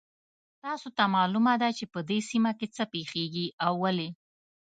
تاسو ته معلومه ده چې په دې سیمه کې څه پېښیږي او ولې